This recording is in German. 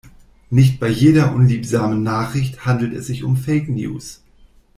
Nicht bei jeder unliebsamen Nachricht handelt es sich um Fake-News.